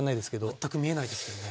全く見えないですけどね。